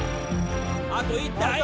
あと１体。